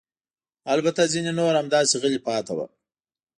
البته ځیني نور همداسې غلي پاتې ول.